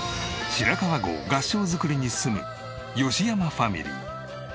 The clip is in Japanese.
白川郷合掌造りに住む吉山ファミリー。